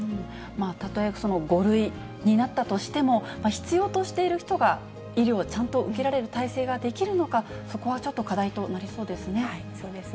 たとえ５類になったとしても、必要としている人が医療をちゃんと受けられる体制ができるのか、そこはちょっと課題となりそうですね。